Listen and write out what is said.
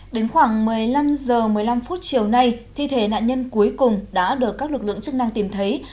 đến khoảng một mươi năm h một mươi năm chiều nay thi thể nạn nhân cuối cùng đã được các lực lượng chức năng tìm thấy